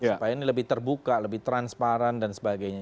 supaya ini lebih terbuka lebih transparan dan sebagainya